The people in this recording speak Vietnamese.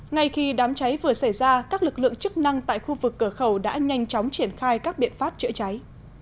ngay khi đám cháy vừa xảy ra các lực lượng chức năng tại khu vực cửa khẩu đã nhanh chóng triển khai các biện pháp chữa cháy